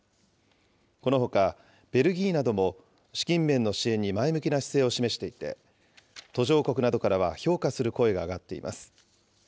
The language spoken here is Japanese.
このほか、ベルギーなども資金面の支援に前向きな姿勢を示していて、途上国などからは評価する声が上がっています。